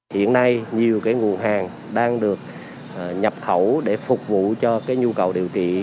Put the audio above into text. hiện nay nhiều nguồn hàng đang được nhập khẩu để phục vụ cho nhu cầu điều trị